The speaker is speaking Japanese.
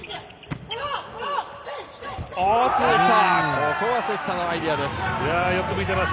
ここは関田のアイデアです。